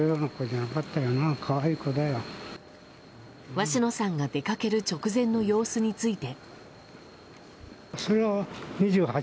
鷲野さんが出かける直前の様子について。